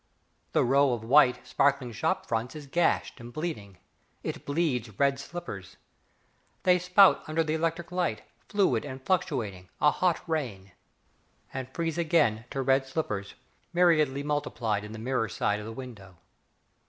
The row of white, sparkling shop fronts is gashed and bleeding, it bleeds red slippers. They spout under the electric light, fluid and fluctuating, a hot rain and freeze again to red slippers, myriadly multiplied in the mirror side of the window.